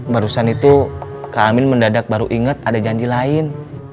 barusan itu ke amin mendadak baru inget ada janji lain